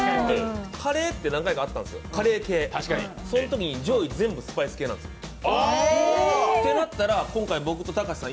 カレーって何回かあったんですけど、そのとき上位全部スパイス系なんですよ。となったら、僕とたかしさん